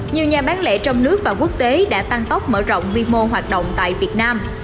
nhiều nhà bán lẻ trong nước và quốc tế đã tăng tốc mở rộng quy mô hoạt động tại việt nam